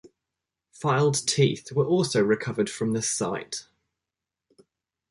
Filed teeth were also recovered from this site.